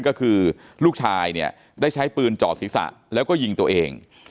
ก็คือลูกชายเนี่ยได้ใช้ปืนจ่อศีรษะแล้วก็ยิงตัวเอง